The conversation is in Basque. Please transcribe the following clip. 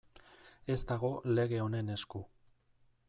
Ez dago lege honen esku.